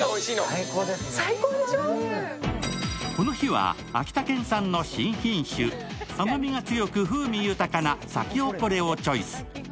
この日は秋田県産の新品種、甘みが強く風味豊かなサキホコレをチョイス。